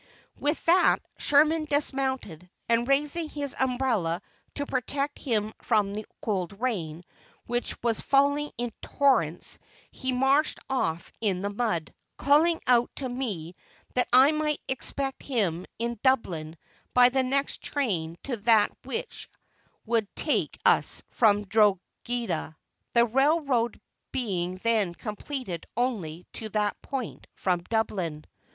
With that Sherman dismounted, and, raising his umbrella to protect him from the cold rain which was falling in torrents, he marched off in the mud, calling out to me that I might expect him in Dublin by the next train to that which would take us from Drogheda, the railroad being then completed only to that point from Dublin.